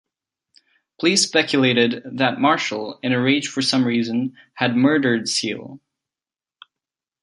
Police speculated that Marshall, in a rage for some reason, had murdered Seale.